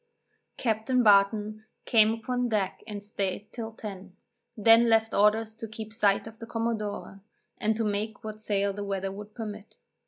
Captain Barton came upon deck and staid till ten; then left orders to keep sight of the commodore, and to make what sail the weather would permit.